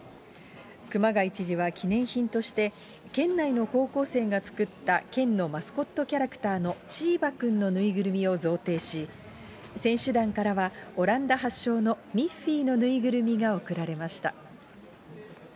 熊谷知事は記念品として、県内の高校生が作った県のマスコットキャラクターのチーバくんの縫いぐるみを贈呈し、選手団からはオランダ発祥のミッフィーの縫いぐるみが贈られまし